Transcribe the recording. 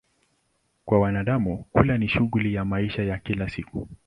Kwa wanadamu, kula ni shughuli ya maisha ya kila siku.